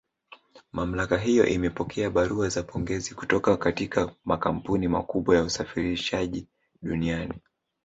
Mamlaka hiyo imepokea barua za pongezi kutoka katika makampuni makubwa ya usafirishaji duniani